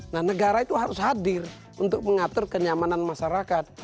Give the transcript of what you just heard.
nah negara itu harus hadir untuk mengatur kenyamanan masyarakat